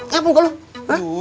ngapain lu ngapain gua lu